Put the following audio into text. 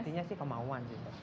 intinya sih kemauan sih